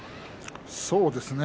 そうですね